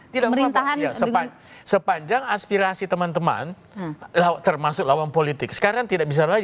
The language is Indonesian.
tidak memahami sepanjang aspirasi teman teman termasuk lawan politik sekarang tidak bisa lagi